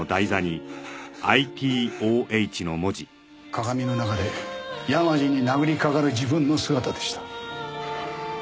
鏡の中で山路に殴りかかる自分の姿でした。